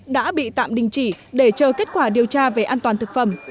đã bị tạm đình chỉ để chờ kết quả điều tra về an toàn thực phẩm